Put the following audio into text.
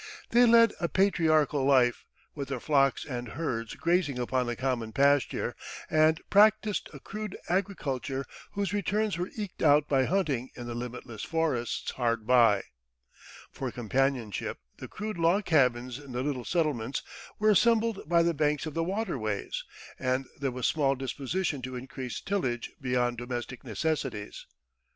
They led a patriarchal life, with their flocks and herds grazing upon a common pasture, and practised a crude agriculture whose returns were eked out by hunting in the limitless forests hard by. For companionship, the crude log cabins in the little settlements were assembled by the banks of the waterways, and there was small disposition to increase tillage beyond domestic necessities.